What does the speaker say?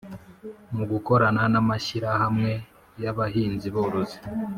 mu gukorana n'amashyirahamwe y'abahinziborozi,